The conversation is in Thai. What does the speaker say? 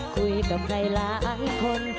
คุยกับใครหลายคน